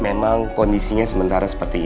memang kondisinya sementara seperti ini